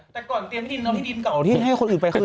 แต่ก่อนเตรียมที่ดินเอาที่ดินเก่าที่ให้คนอื่นไปคือ